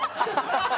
ハハハハ！